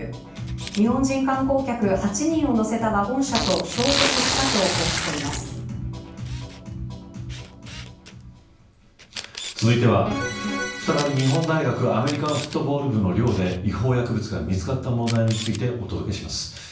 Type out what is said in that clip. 日本人観光客８人を乗せたワゴン車と続いては日本大学アメリカンフットボール部の寮で違法薬物が見つかった問題についてお届けします。